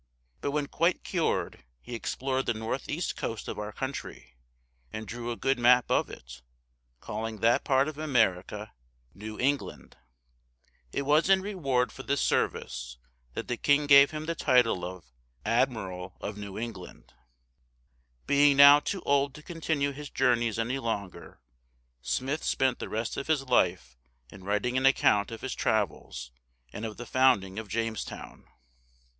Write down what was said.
But when quite cured he explored the northeast coast of our country, and drew a good map of it, calling that part of America New England. It was in reward for this service that the king gave him the title of "Admiral of New England." Being now too old to continue his journeys any longer, Smith spent the rest of his life in writing an account of his travels and of the founding of Jamestown.